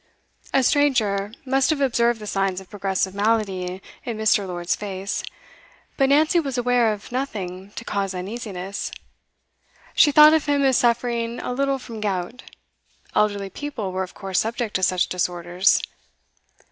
A stranger must have observed the signs of progressive malady in Mr. Lord's face, but Nancy was aware of nothing to cause uneasiness; she thought of him as suffering a little from 'gout;' elderly people were of course subject to such disorders.